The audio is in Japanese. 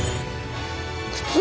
靴？